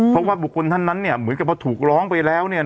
เพราะว่าบุคคลท่านนั้นเหมือนกับพอถูกร้องไปแล้ว